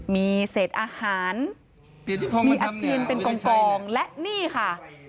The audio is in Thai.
มีเศษอาหารมีอาเจียนเป็นกองและนี่ค่ะ